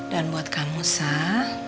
dan buat kamu sah